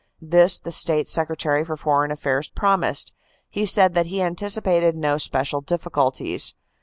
This the State Secretary for Foreign Affairs promised; he said that he anticipated no special difficulties.